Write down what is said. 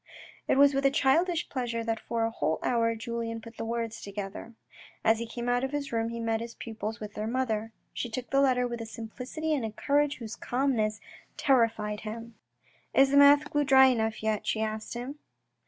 It was with a childish pleasure that for a whole hour Julien put the words together. As he came out of his room, he met his pupils with their mother. She took the letter with a simplicity and a courage whose calmness terrified him. " Is the mouth glue dry enough yet ?" she asked him.